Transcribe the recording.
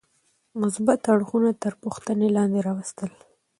مثبت اړخونه تر پوښتنې لاندې راوستل.